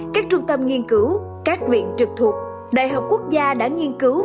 các trung tâm nghiên cứu các viện trực thuộc đại học quốc gia đã nghiên cứu